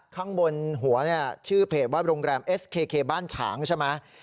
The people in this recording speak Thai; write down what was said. ข้างบนหัวเนี่ยชื่อเพจว่าโรงแรมเอสเคบ้านฉางใช่ไหม